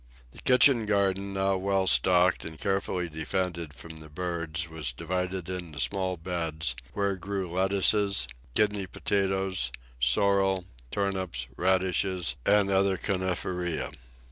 The kitchen garden, now well stocked and carefully defended from the birds, was divided into small beds, where grew lettuces, kidney potatoes, sorrel, turnips, radishes, and other coneiferae.